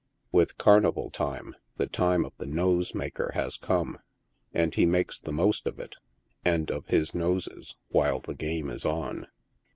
With carnival time the time of the nose maker has come, and he makes the most of it, and of his noses, while the game is on.